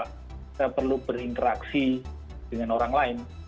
kita perlu berinteraksi dengan orang lain